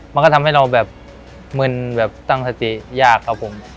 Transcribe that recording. มันก็ทำให้เราแบบมึนแบบตั้งสติยากครับผม